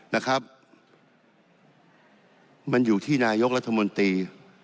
นะครับมันอยู่ที่นายกรัฐมนตรี